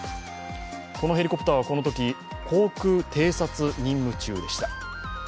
このヘリコプターはこのとき航空偵察任務中でした。